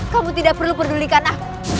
kamu tidak perlu pedulikan aku